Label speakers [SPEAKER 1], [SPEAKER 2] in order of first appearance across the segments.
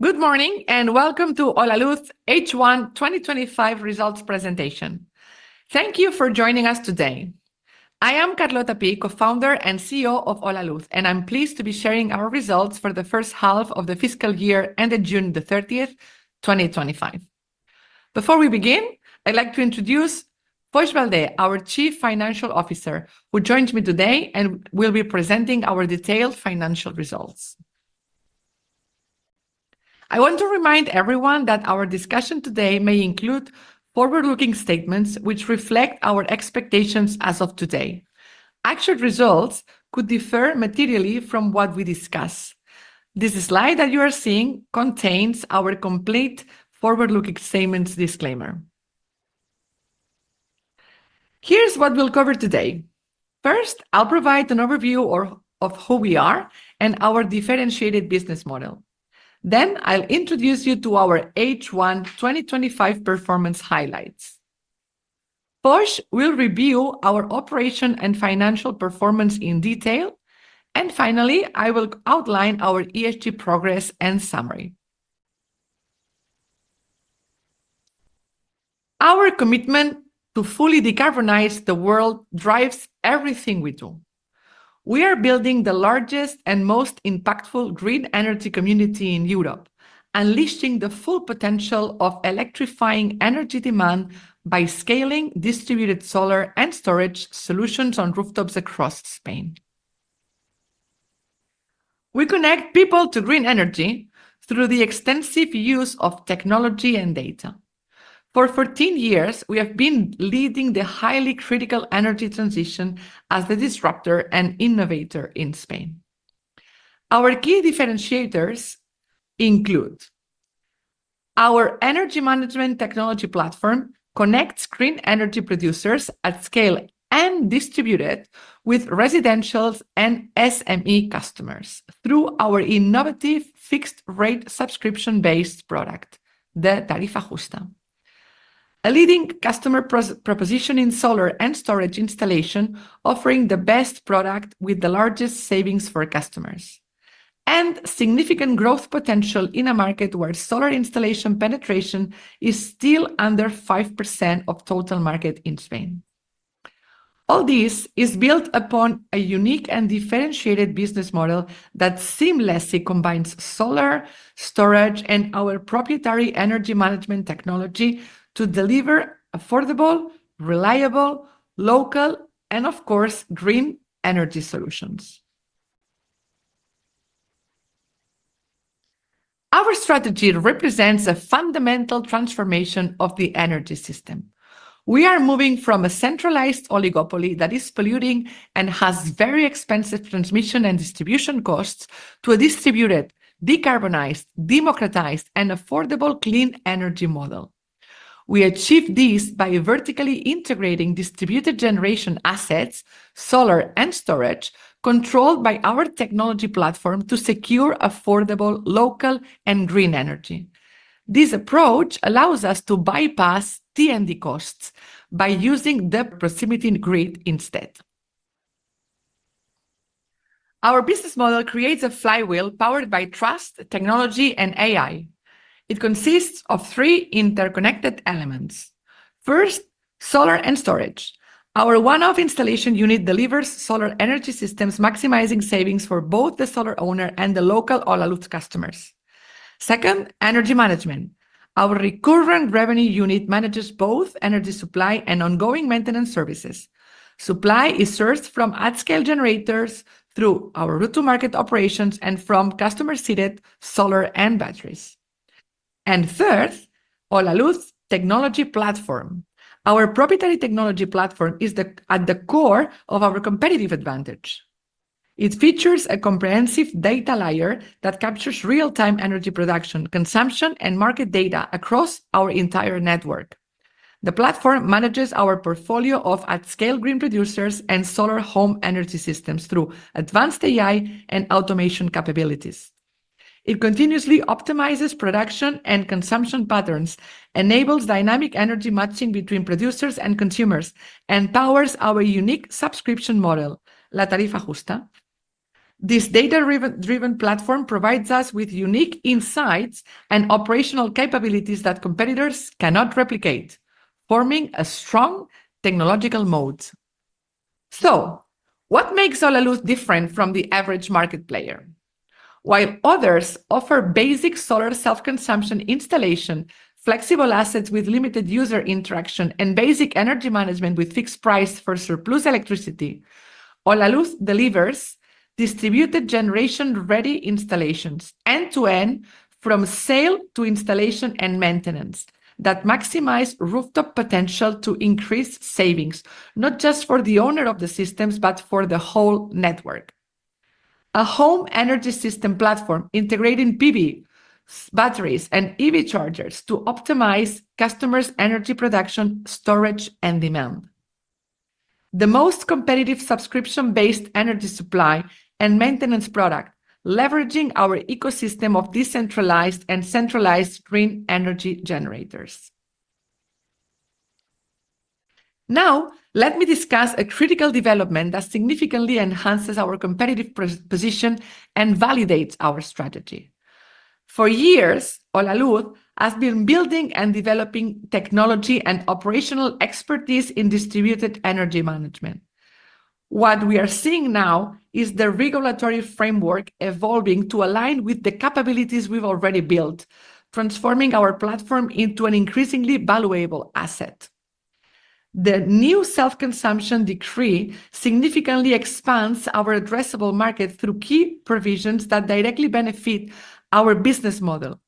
[SPEAKER 1] Good morning and welcome to Holaluz H1 2025 results presentation. Thank you for joining us today. I am Carlota Pi, Co-founder and CEO of Holaluz, and I'm pleased to be sharing our results for the first half of the fiscal year ended June 30th, 2025. Before we begin, I'd like to introduce Foix Valde, our Chief Financial Officer, who joins me today and will be presenting our detailed financial results. I want to remind everyone that our discussion today may include forward-looking statements which reflect our expectations as of today. Actual results could differ materially from what we discuss. This slide that you are seeing contains our complete forward-looking statements disclaimer. Here's what we'll cover today. First, I'll provide an overview of who we are and our differentiated business model. Next, I'll introduce you to our H1 2025 performance highlights. Foix will review our operation and financial performance in detail, and finally, I will outline our ESG progress and summary. Our commitment to fully decarbonize the world drives everything we do. We are building the largest and most impactful grid energy community in Europe, unleashing the full potential of electrifying energy demand by scaling distributed Solar and Storage solutions on rooftops across Spain. We connect people to green energy through the extensive use of technology and data. For 14 years, we have been leading the highly critical energy transition as the disruptor and innovator in Spain. Our key differentiators include Energy Management technology platform, which connects green energy producers at scale and distributed with residential and SME customers through our innovative fixed-rate subscription-based product, the Tarifa Justa. A leading customer proposition in Solar and Storage installation, offering the best product with the largest savings for customers and significant growth potential in a market where solar installation penetration is still under 5% of total market in Spain. All this is built upon a unique and differentiated business model that seamlessly combines Solar, Storage, and our Energy Management technology to deliver affordable, reliable, local, and of course, green energy solutions. Our strategy represents a fundamental transformation of the energy system. We are moving from a centralized oligopoly that is polluting and has very expensive transmission and distribution costs to a distributed, decarbonized, democratized, and affordable clean energy model. We achieve this by vertically integrating distributed generation assets, Solar and Storage, controlled by our technology platform to secure affordable, local, and green energy. This approach allows us to by-pass T&D costs by using the proximity grid instead. Our business model creates a flywheel powered by trust, technology, and AI. It consists of three interconnected elements. First, Solar and Storage. Our one-off installation unit delivers solar energy systems, maximizing savings for both the solar owner and the local Holaluz customers. Second, Energy Management. Our recurring revenue unit manages both energy supply and ongoing maintenance services. Supply is sourced from at-scale generators through our route-to-market operations and from customer-seeded solar and batteries. Third, Holaluz technology platform. Our proprietary technology platform is at the core of our competitive advantage. It features a comprehensive data layer that captures real-time energy production, consumption, and market data across our entire network. The platform manages our portfolio of At-scale Green Producers and solar home energy systems through advanced AI and automation capabilities. It continuously optimizes production and consumption patterns, enables dynamic energy matching between producers and consumers, and powers our unique subscription model, Tarifa Justa. This data-driven platform provides us with unique insights and operational capabilities that competitors cannot replicate, forming a strong technological moat. What makes Holaluz different from the average market player? While others offer basic solar self-consumption installation, flexible assets with limited user interaction, and basic Energy Management with fixed price for surplus electricity, Holaluz delivers distributed generation-ready installations, end-to-end, from sale to installation and maintenance that maximize rooftop potential to increase savings, not just for the owner of the systems but for the whole network. A home energy system platform integrating PV batteries and electric vehicle chargers to optimize customers' energy production, storage, and demand. The most competitive subscription-based energy supply and maintenance product, leveraging our ecosystem of decentralized and centralized green energy generators. Now, let me discuss a critical development that significantly enhances our competitive position and validates our strategy. For years, Holaluz S.A. has been building and developing technology and operational expertise in distributed Energy Management. What we are seeing now is the regulatory framework evolving to align with the capabilities we've already built, transforming our platform into an increasingly valuable asset. The new self-consumption decree significantly expands our addressable market through key provisions that directly benefit our business model: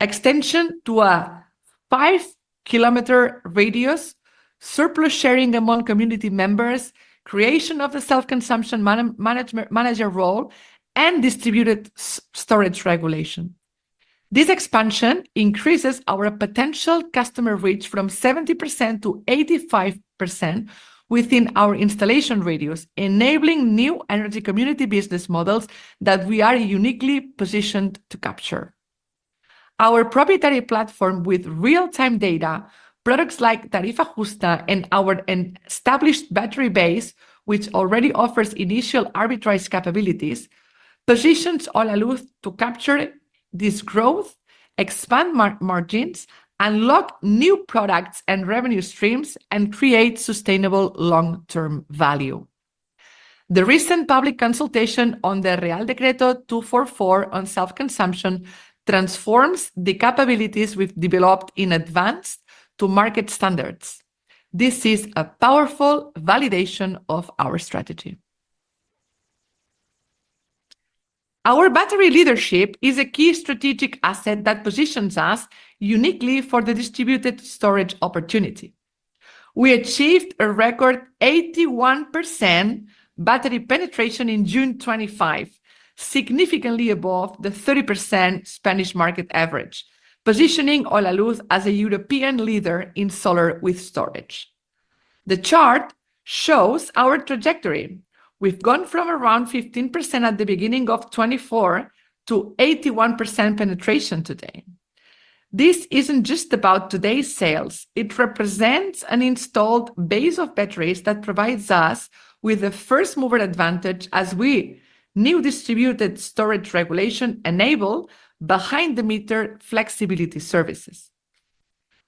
[SPEAKER 1] extension to a five-kilometer radius, surplus sharing among community members, creation of the self-consumption manager role, and distributed storage regulation. This expansion increases our potential customer reach from 70% to 85% within our installation radius, enabling new energy community business models that we are uniquely positioned to capture. Our proprietary platform with real-time data, products like Tarifa Justa, and our established battery base, which already offers initial arbitrage capabilities, positions Holaluz to capture this growth, expand margins, unlock new products and revenue streams, and create sustainable long-term value. The recent public consultation on the Real Decreto 244 on self-consumption transforms the capabilities we've developed in advance to market standards. This is a powerful validation of our strategy. Our battery leadership is a key strategic asset that positions us uniquely for the distributed storage opportunity. We achieved a record 81% battery penetration in June 2025, significantly above the 30% Spanish market average, positioning Holaluz as a European leader in solar with storage. The chart shows our trajectory. We've gone from around 15% at the beginning of 2024 to 81% penetration today. This isn't just about today's sales. It represents an installed base of batteries that provides us with a first-mover advantage as new distributed storage regulation enables behind-the-meter flexibility services.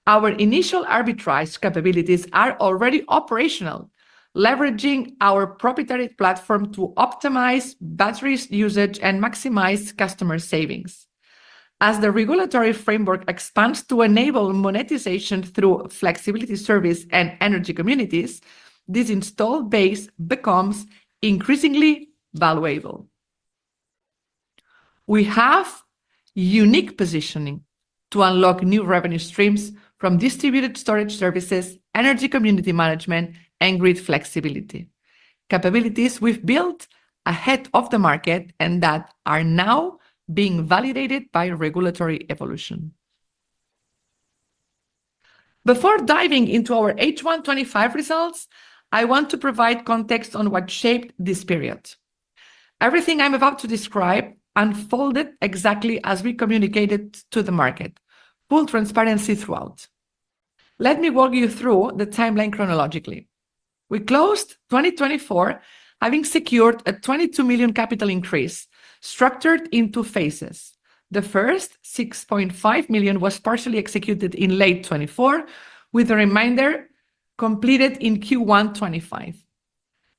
[SPEAKER 1] Our initial arbitrage capabilities are already operational, leveraging our proprietary platform to optimize batteries' usage and maximize customer savings. As the regulatory framework expands to enable monetization through flexibility service and energy communities, this installed base becomes increasingly valuable. We have unique positioning to unlock new revenue streams from distributed storage services, energy community management, and grid flexibility, capabilities we've built ahead of the market and that are now being validated by regulatory evolution. Before diving into our H1 2025 results, I want to provide context on what shaped this period. Everything I'm about to describe unfolded exactly as we communicated to the market, full transparency throughout. Let me walk you through the timeline chronologically. We closed 2024, having secured a 22 million capital increase structured in two phases. The first, 6.5 million, was partially executed in late 2024, with the remainder completed in Q1 2025.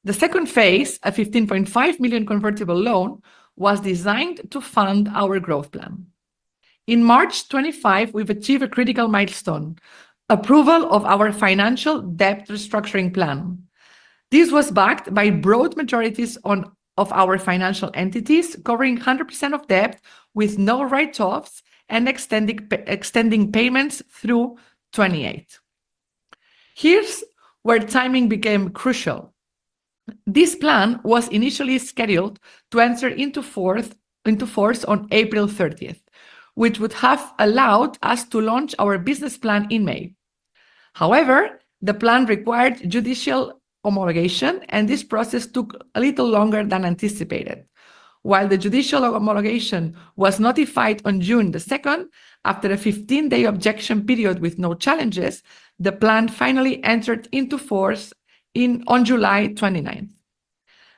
[SPEAKER 1] The second phase, a 15.5 million convertible loan, was designed to fund our growth plan. In March 2025, we've achieved a critical milestone: approval of our financial debt restructuring plan. This was backed by broad majorities of our financial entities, covering 100% of debt with no write-offs and extending payments through 2028. Here's where timing became crucial. This plan was initially scheduled to enter into force on April 30th, which would have allowed us to launch our business plan in May. However, the plan required judicial homologation, and this process took a little longer than anticipated. While the judicial homologation was notified on June 2nd, after a 15-day objection period with no challenges, the plan finally entered into force on July 29th.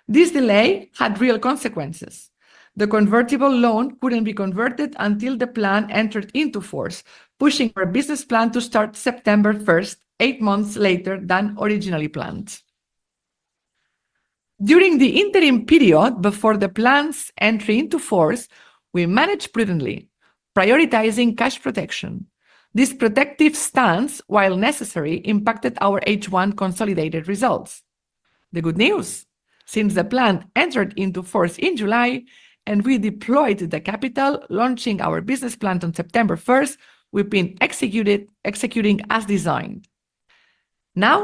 [SPEAKER 1] This delay had real consequences. The convertible loan couldn't be converted until the plan entered into force, pushing our business plan to start September 1st, eight months later than originally planned. During the interim period before the plan's entry into force, we managed prudently, prioritizing cash protection. This protective stance, while necessary, impacted our H1 consolidated results. The good news, since the plan entered into force in July and we deployed the capital, launching our business plan on September 1st, we've been executing as designed. Now,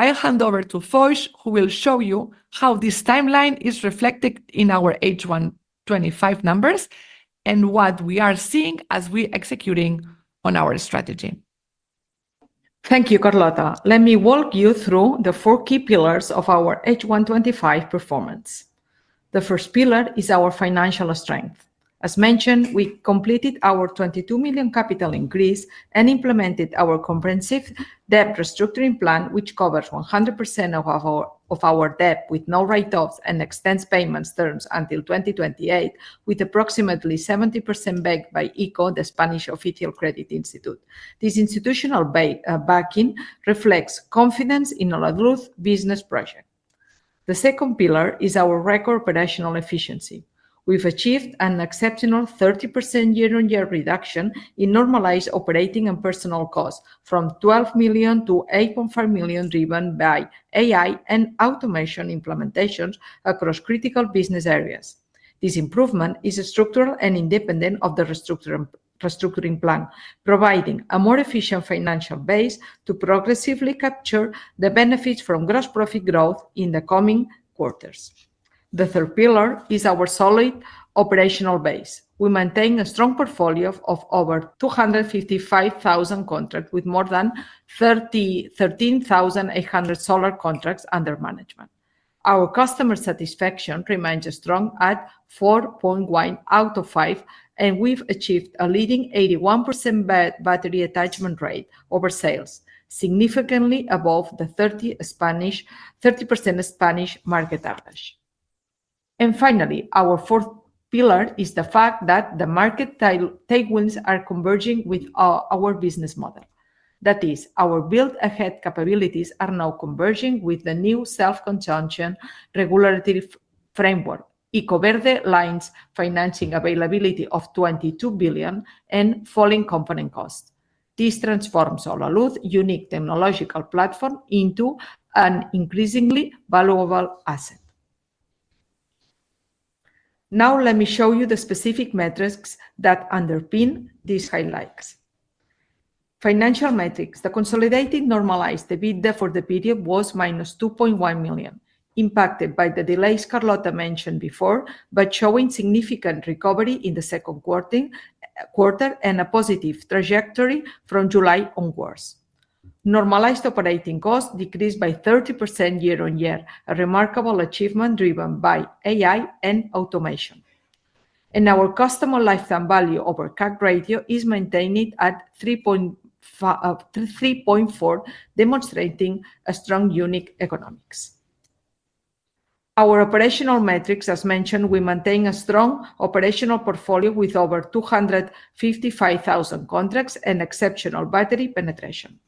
[SPEAKER 1] I'll hand over to Foix, who will show you how this timeline is reflected in our H1 2025 numbers and what we are seeing as we're executing on our strategy.
[SPEAKER 2] Thank you, Carlota. Let me walk you through the four key pillars of our H1 2025 performance. The first pillar is our financial strength. As mentioned, we completed our 22 million capital increase and implemented our comprehensive debt restructuring plan, which covers 100% of our debt with no write-offs and extends payment terms until 2028, with approximately 70% backed by ICO, the Spanish Official Credit Institute. This institutional backing reflects confidence in Holaluz's business project. The second pillar is our record operational efficiency. We've achieved an exceptional 30% year-on-year reduction in normalized operating and personnel costs from 12 million to 8.5 million, driven by AI and automation implementations across critical business areas. This improvement is structural and independent of the restructuring plan, providing a more efficient financial base to progressively capture the benefits from gross profit growth in the coming quarters. The third pillar is our solid operational base. We maintain a strong portfolio of over 255,000 contracts with more than 13,800 solar contracts under management. Our customer satisfaction remains strong at 4.1 out of 5, and we've achieved a leading 81% battery attachment rate over sales, significantly above the 30% Spanish market average. Finally, our fourth pillar is the fact that the market tailwinds are converging with our business model. That is, our built-ahead capabilities are now converging with the new self-consumption regulatory framework, ICO-Verde lines financing availability of 22 billion and falling component costs. This transforms Holaluz's unique technological platform into an increasingly valuable asset. Now, let me show you the specific metrics that underpin these highlights. Financial metrics: the consolidated normalized EBITDA for the period was -2.1 million, impacted by the delays Carlota mentioned before, but showing significant recovery in the second quarter and a positive trajectory from July onwards. Normalized operating costs decreased by 30% year-on-year, a remarkable achievement driven by AI and automation. Our customer lifetime value over CAC ratio is maintained at 3.4, demonstrating strong unit economics. Our operational metrics, as mentioned, we maintain a strong operational portfolio with over 255,000 contracts and exceptional battery penetration.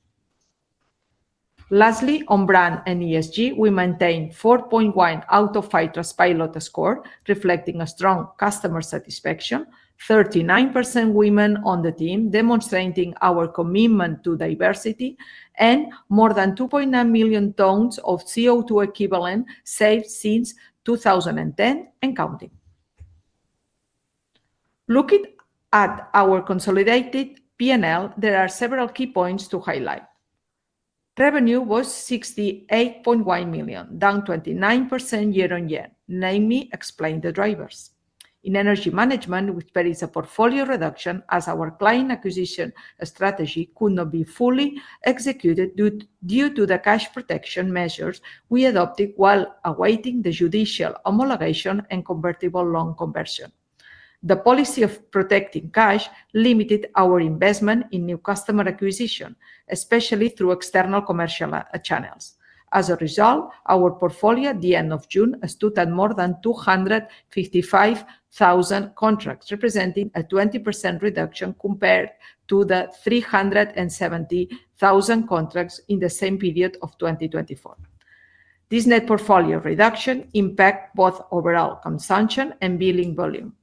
[SPEAKER 2] Lastly, on brand and ESG, we maintain a 4.1 out of 5 Trustpilot score, reflecting strong customer satisfaction, 39% women on the team, demonstrating our commitment to diversity, and more than 2.9 million tons of CO2 equivalent saved since 2010 and counting. Looking at our consolidated P&L, there are several key points to highlight. Revenue was 68.1 million, down 29% year-on-year, namely explain the drivers. In Energy Management, we faced a portfolio reduction as our client acquisition strategy could not be fully executed due to the cash protection measures we adopted while awaiting the judicial homologation and convertible loan conversion. The policy of protecting cash limited our investment in new customer acquisition, especially through external commercial channels. As a result, our portfolio at the end of June stood at more than 255,000 contracts, representing a 20% reduction compared to the 370,000 contracts in the same period of 2024. This net portfolio reduction impacts both overall consumption and billing volume.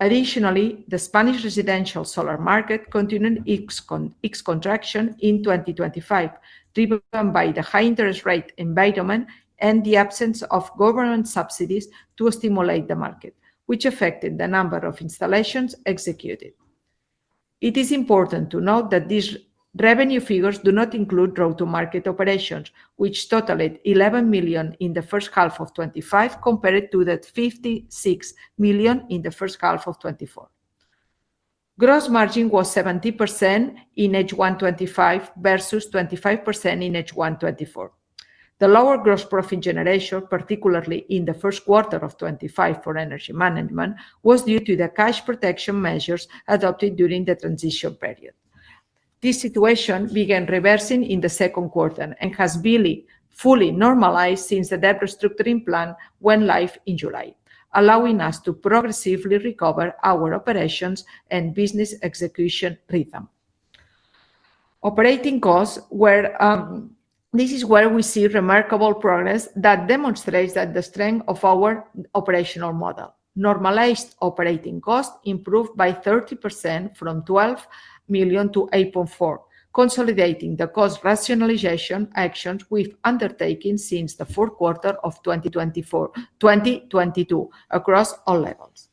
[SPEAKER 2] Additionally, the Spanish residential solar market continued its contraction in 2025, driven by the high interest rate embodiment and the absence of government subsidies to stimulate the market, which affected the number of installations executed. It is important to note that these revenue figures do not include route-to-market operations, which totaled 11 million in the first half of 2025 compared to the 56 million in the first half of 2024. Gross margin was 70% in H1 2025 versus 25% in H1 2024. The lower gross profit generation, particularly in the first quarter of 2025 for Energy Management, was due to the cash protection measures adopted during the transition period. This situation began reversing in the second quarter and has fully normalized since the debt restructuring plan went live in July, allowing us to progressively recover our operations and business execution rhythm. Operating costs were, this is where we see remarkable progress that demonstrates the strength of our operational model. Normalized operating costs improved by 30% from 12 million to 8.4 million, consolidating the cost rationalization actions we've undertaken since the fourth quarter of 2022 across all levels.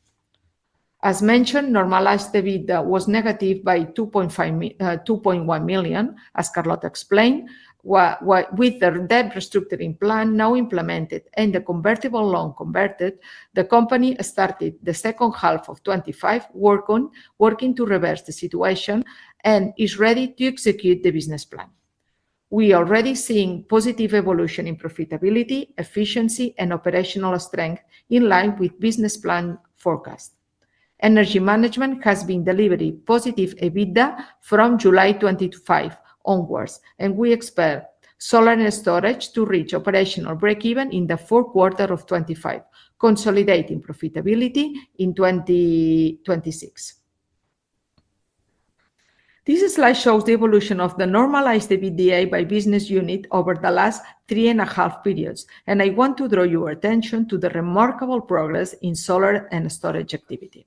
[SPEAKER 2] As mentioned, normalized EBITDA was negative by 2.1 million, as Carlota explained. With the debt restructuring plan now implemented and the convertible loan converted, the company started the second half of 2025 working to reverse the situation and is ready to execute the business plan. We are already seeing positive evolution in profitability, efficiency, and operational strength in line with the business plan forecast. Energy Management has been delivering positive EBITDA from July 2025 onwards, and we expect Solar and Storage to reach operational break-even in the fourth quarter of 2025, consolidating profitability in 2026. This slide shows the evolution of the normalized EBITDA by business unit over the last three and a half periods, and I want to draw your attention to the remarkable progress in Solar and Storage activity.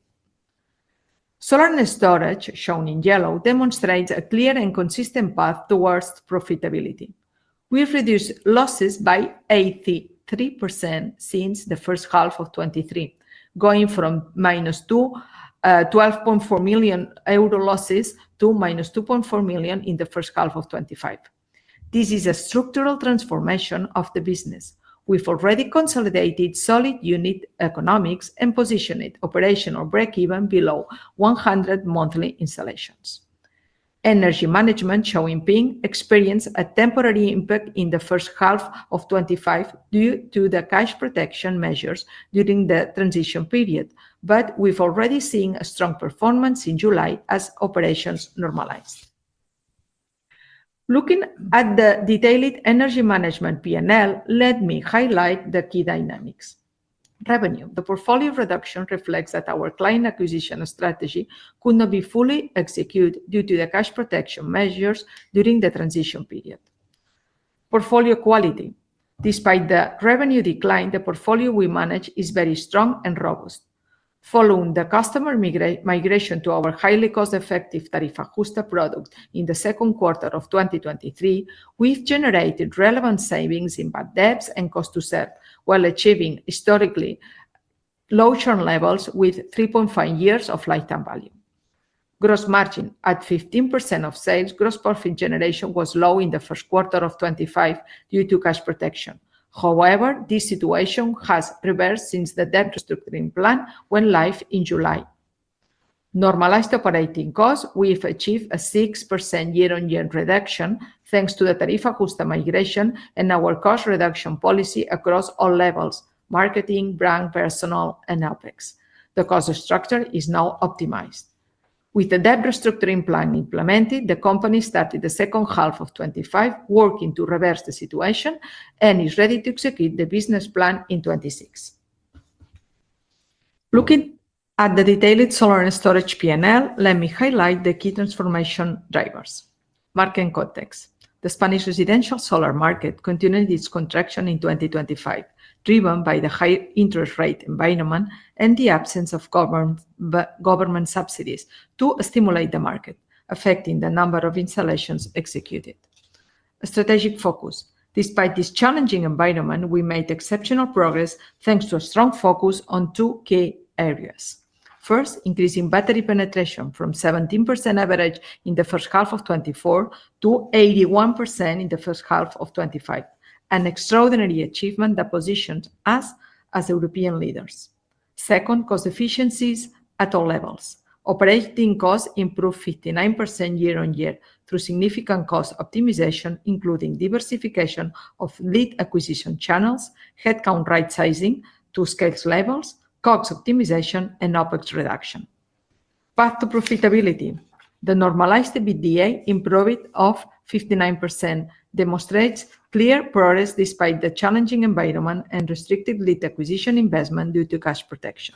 [SPEAKER 2] Solar and Storage, shown in yellow, demonstrates a clear and consistent path towards profitability. We've reduced losses by 83% since the first half of 2023, going from -12.4 million euro losses to -2.4 million in the first half of 2025. This is a structural transformation of the business. We've already consolidated solid unit economics and positioned operational break-even below 100 monthly installations. Energy Management, shown in pink, experienced a temporary impact in the first half of 2025 due to the cash protection measures during the transition period, but we've already seen a strong performance in July as operations normalized. Looking at the detailed Energy Management P&L, let me highlight the key dynamics. Revenue: the portfolio reduction reflects that our client acquisition strategy could not be fully executed due to the cash protection measures during the transition period. Portfolio quality: despite the revenue decline, the portfolio we manage is very strong and robust. Following the customer migration to our highly cost-effective Tarifa Justa product in the second quarter of 2023, we've generated relevant savings in bad debts and costs to sell while achieving historically low churn levels with 3.5 years of lifetime value. Gross margin: at 15% of sales, gross profit generation was low in the first quarter of 2025 due to cash protection. However, this situation has reversed since the debt restructuring plan went live in July. Normalized operating costs: we've achieved a 6% year-on-year reduction thanks to the Tarifa Justa migration and our cost reduction policy across all levels: marketing, brand, personnel, and OpEx. The cost structure is now optimized. With the debt restructuring plan implemented, the company started the second half of 2025 working to reverse the situation and is ready to execute the business plan in 2026. Looking at the detailed Solar and Storage P&L, let me highlight the key transformation drivers. Market context: the Spanish residential solar market continued its contraction in 2025, driven by the high interest rate environment and the absence of government subsidies to stimulate the market, affecting the number of installations executed. Strategic focus: despite this challenging environment, we made exceptional progress thanks to a strong focus on two key areas. First, increasing battery penetration from 17% average in the first half of 2024 to 81% in the first half of 2025, an extraordinary achievement that positions us as European leaders. Second, cost efficiencies at all levels. Operating costs improved 59% year-on-year through significant cost optimization, including diversification of lead acquisition channels, headcount right-sizing to scale levels, COGS optimization, and OpEx reduction. Path to profitability: the normalized EBITDA improved of 59%, demonstrates clear progress despite the challenging environment and restricted lead acquisition investment due to cash protection.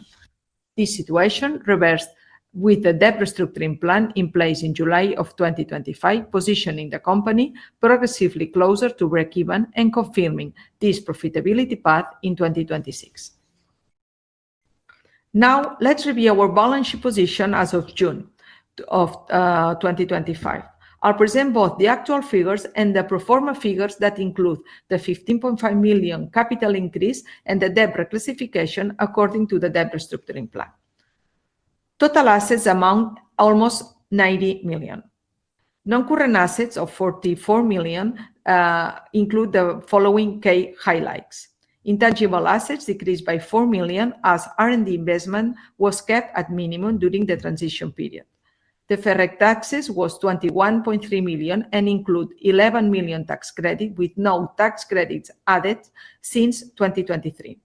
[SPEAKER 2] This situation reversed with the debt restructuring plan in place in July of 2025, positioning the company progressively closer to break-even and confirming this profitability path in 2026. Now, let's review our balance sheet position as of June of 2025. I'll present both the actual figures and the pro forma figures that include the 15.5 million capital increase and the debt reclassification according to the debt restructuring plan. Total assets amount to almost 90 million. Non-current assets of 44 million include the following key highlights. Intangible assets decreased by 4 million as R&D investment was kept at minimum during the transition period. Deferred taxes were 21.3 million and include 11 million tax credits with no tax credits added since 2023.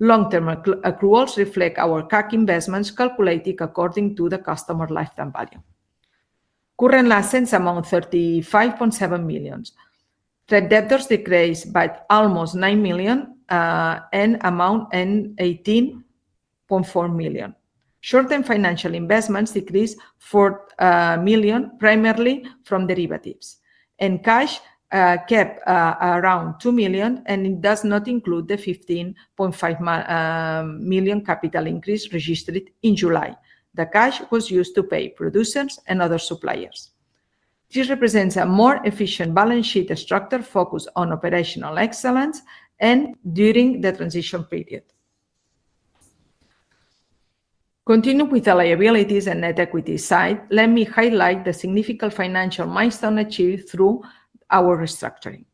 [SPEAKER 2] Long-term accruals reflect our CAC investments calculated according to the customer lifetime value. Current assets amount to 35.7 million. Debtors decreased by almost 9 million and amount to 18.4 million. Short-term financial investments decreased 4 million, primarily from derivatives. Cash kept around 2 million, and it does not include the 15.5 million capital increase registered in July. The cash was used to pay producers and other suppliers. This represents a more efficient balance sheet structure focused on operational excellence and during the transition period. Continuing with the liabilities and net equity side, let me highlight the significant financial milestones achieved through our restructuring.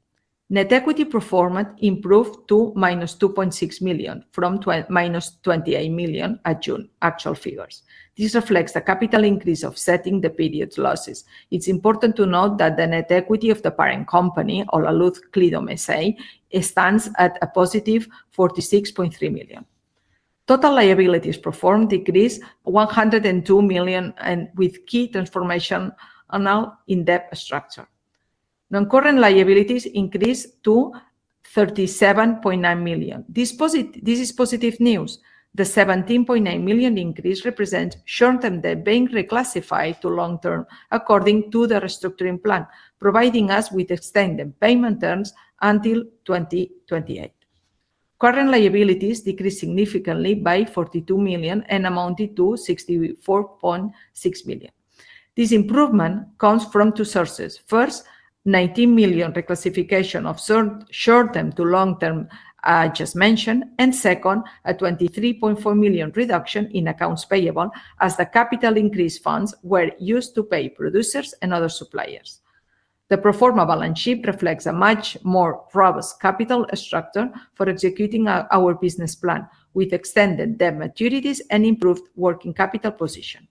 [SPEAKER 2] Net equity performance improved to -2.6 million from -28 million at June, actual figures. This reflects the capital increase offsetting the period's losses. It's important to note that the net equity of the parent company, Holaluz-Clidom SA, stands at a positive 46.3 million. Total liabilities performed decreased 102 million and with key transformation now in debt structure. Non-current liabilities increased to 37.9 million. This is positive news. The 17.9 million increase represents short-term debt being reclassified to long-term according to the restructuring plan, providing us with extended payment terms until 2028. Current liabilities decreased significantly by 42 million and amounted to 64.6 million. This improvement comes from two sources. First, 19 million reclassification of short-term to long-term I just mentioned, and second, a 23.4 million reduction in accounts payable as the capital increase funds were used to pay producers and other suppliers. The pro forma balance sheet reflects a much more robust capital structure for executing our business plan with extended debt maturities and improved working capital position.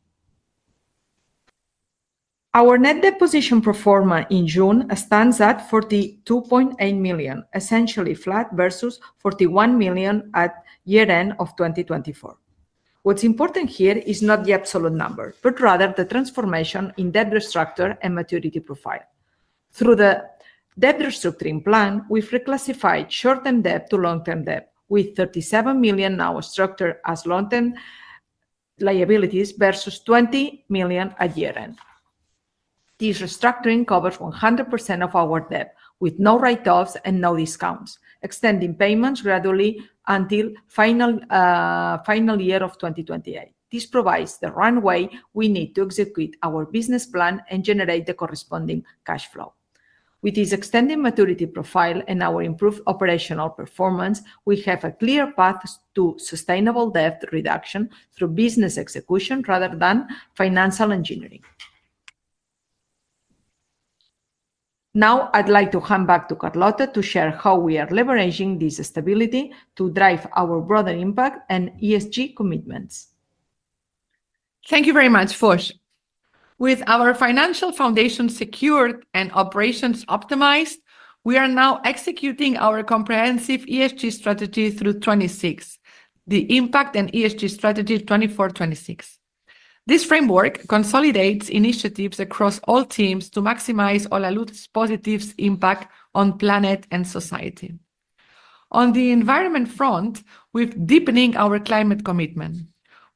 [SPEAKER 2] Our net debt position pro forma in June stands at 42.8 million, essentially flat versus 41 million at year-end of 2024. What's important here is not the absolute number, but rather the transformation in debt structure and maturity profile. Through the debt restructuring plan, we've reclassified short-term debt to long-term debt, with 37 million now structured as long-term liabilities versus 20 million at year-end. This restructuring covers 100% of our debt with no write-offs and no discounts, extending payments gradually until the final year of 2028. This provides the runway we need to execute our business plan and generate the corresponding cash flow. With this extended maturity profile and our improved operational performance, we have a clear path to sustainable debt reduction through business execution rather than financial engineering. Now, I'd like to hand back to Carlota to share how we are leveraging this stability to drive our broader impact and ESG commitments.
[SPEAKER 1] Thank you very much, Foix. With our financial foundation secured and operations optimized, we are now executing our comprehensive ESG strategy through 2026, the Impact and ESG Strategy 2024-2026. This framework consolidates initiatives across all teams to maximize Holaluz's positive impact on the planet and society. On the environment front, we're deepening our climate commitment.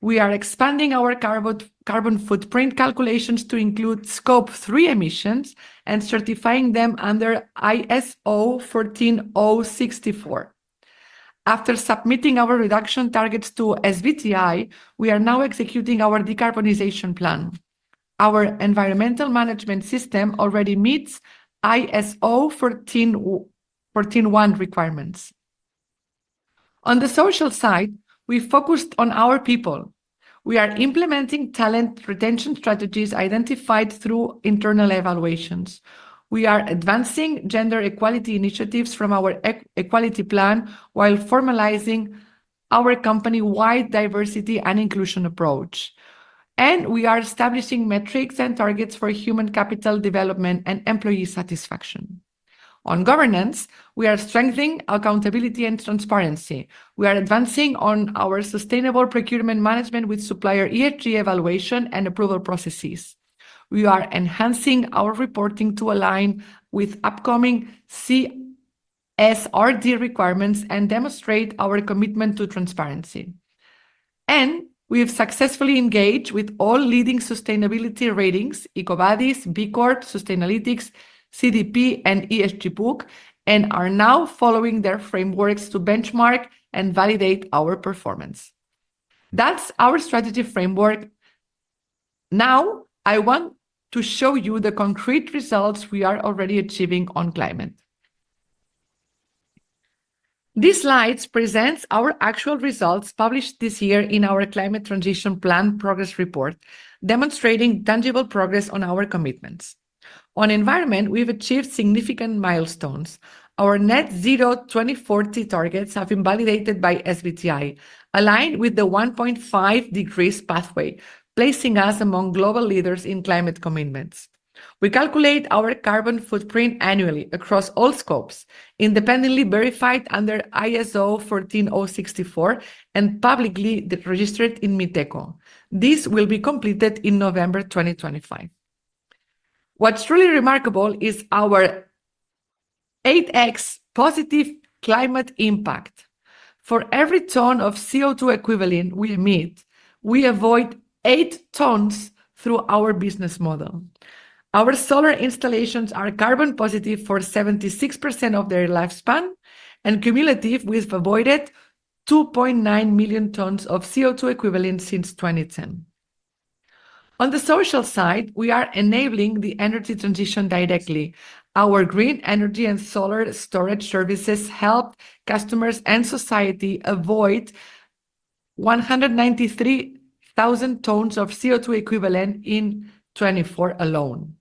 [SPEAKER 1] We are expanding our carbon footprint calculations to include scope 3 emissions and certifying them under ISO 14064. After submitting our reduction targets to SBTI, we are now executing our decarbonization plan. Our environmental management system already meets ISO 14001 requirements. On the social side, we focused on our people. We are implementing talent retention strategies identified through internal evaluations. We are advancing gender equality initiatives from our equality plan while formalizing our company-wide diversity and inclusion approach. We are establishing metrics and targets for human capital development and employee satisfaction. On governance, we are strengthening accountability and transparency. We are advancing on our sustainable procurement management with supplier ESG evaluation and approval processes. We are enhancing our reporting to align with upcoming CSRD requirements and demonstrate our commitment to transparency. We have successfully engaged with all leading sustainability ratings, EcoVadis, BCorp, Sustainalytics, CDP, and ESGBook, and are now following their frameworks to benchmark and validate our performance. That's our strategy framework. Now, I want to show you the concrete results we are already achieving on climate. These slides present our actual results published this year in our Climate Transition Plan Progress Report, demonstrating tangible progress on our commitments. On environment, we've achieved significant milestones. Our net zero 2040 targets have been validated by SBTI, aligned with the 1.5 degrees pathway, placing us among global leaders in climate commitments. We calculate our carbon footprint annually across all scopes, independently verified under ISO 14064, and publicly registered in MITECO. This will be completed in November 2025. What's truly remarkable is our 8x positive climate impact. For every ton of CO2 equivalent we emit, we avoid eight tons through our business model. Our solar installations are carbon positive for 76% of their lifespan, and cumulatively, we've avoided 2.9 million tons of CO2 equivalent since 2010. On the social side, we are enabling the energy transition directly. Our green energy and solar storage services help customers and society avoid 193,000 tons of CO2 equivalent in 2024 alone.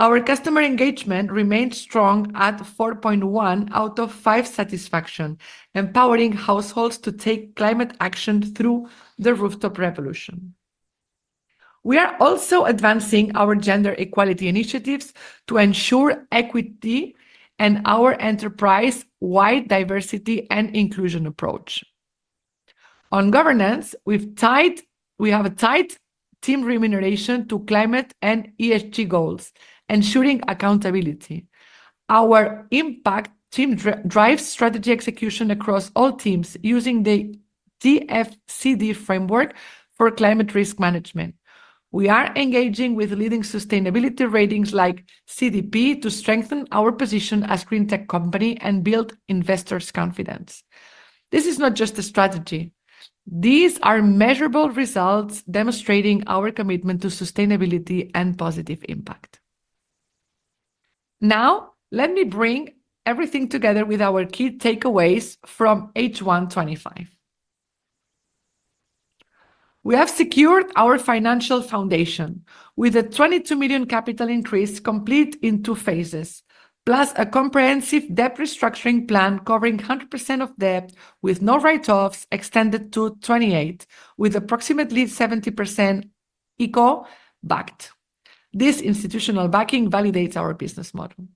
[SPEAKER 1] Our customer engagement remains strong at 4.1 out of 5 satisfaction, empowering households to take climate action through the rooftop revolution. We are also advancing our gender equality initiatives to ensure equity and our enterprise-wide diversity and inclusion approach. On governance, we have a tight team remuneration to climate and ESG goals, ensuring accountability. Our impact team drives strategy execution across all teams using the TFCD framework for climate risk management. We are engaging with leading sustainability ratings like CDP to strengthen our position as a green tech company and build investors' confidence. This is not just a strategy. These are measurable results demonstrating our commitment to sustainability and positive impact. Now, let me bring everything together with our key takeaways from H1 2025. We have secured our financial foundation with a 22 million capital increase complete in two phases, plus a comprehensive debt restructuring plan covering 100% of debt with no write-offs extended to 2028, with approximately 70% ICO backed. This institutional backing validates our business model.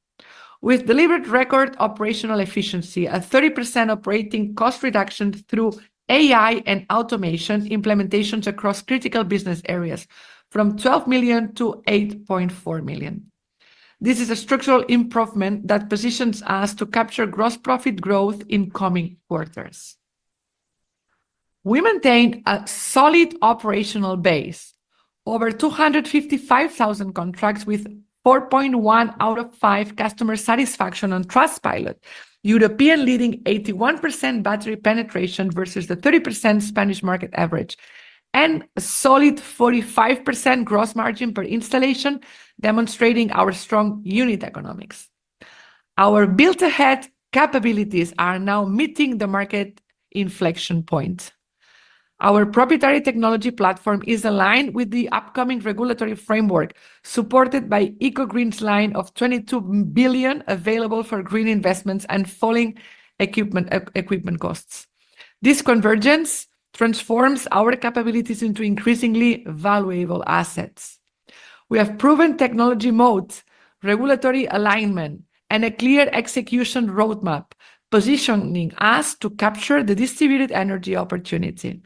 [SPEAKER 1] We've delivered record operational efficiency at 30% operating cost reduction through AI and automation implementations across critical business areas from 12 million to 8.4 million. This is a structural improvement that positions us to capture gross profit growth in coming quarters. We maintain a solid operational base, over 255,000 contracts with 4.1 out of 5 customer satisfaction on Trustpilot, European leading 81% battery penetration versus the 30% Spanish market average, and a solid 45% gross margin per installation, demonstrating our strong unit economics. Our built-ahead capabilities are now meeting the market inflection point. Our proprietary technology platform is aligned with the upcoming regulatory framework supported by ICO Green line of 22 billion available for green investments and falling equipment costs. This convergence transforms our capabilities into increasingly valuable assets. We have proven technology moats, regulatory alignment, and a clear execution roadmap, positioning us to capture the distributed energy opportunity.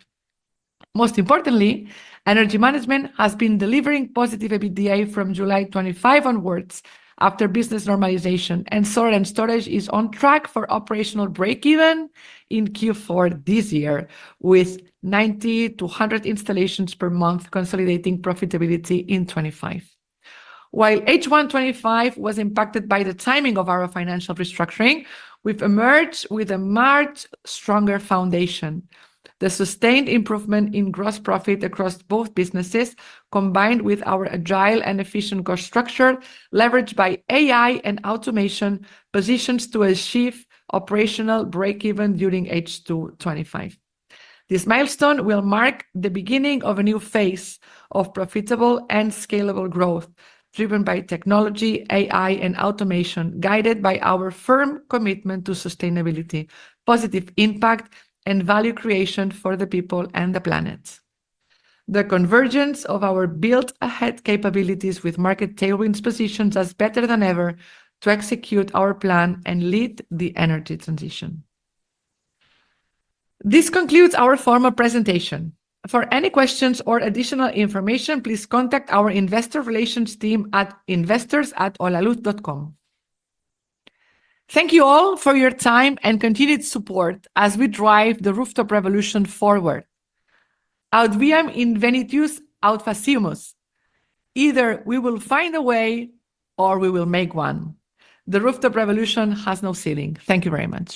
[SPEAKER 1] Most importantly, Energy Management has been delivering positive EBITDA from July 2025 onwards after business normalization, and Solar and Storage is on track for operational break-even in Q4 this year, with 90 to 100 installations per month consolidating profitability in 2025. While H1 2025 was impacted by the timing of our financial restructuring, we've emerged with a much stronger foundation. The sustained improvement in gross profit across both businesses, combined with our agile and efficient cost structure leveraged by AI and automation, positions to achieve operational break-even during H2 2025. This milestone will mark the beginning of a new phase of profitable and scalable growth, driven by technology, AI, and automation, guided by our firm commitment to sustainability, positive impact, and value creation for the people and the planet. The convergence of our built-ahead capabilities with market tailwinds positions us better than ever to execute our plan and lead the energy transition. This concludes our formal presentation. For any questions or additional information, please contact our investor relations team at investors@holaluz.com. Thank you all for your time and continued support as we drive the rooftop revolution forward. Outvio invenitius, outvasiumos. Either we will find a way or we will make one. The rooftop revolution has no ceiling. Thank you very much.